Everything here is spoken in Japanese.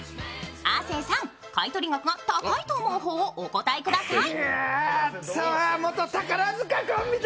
亜生さん、買取額が高いと思う方をお答えください。